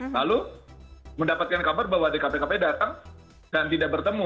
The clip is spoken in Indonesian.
lalu mendapatkan kabar bahwa dkpkp datang dan tidak bertemu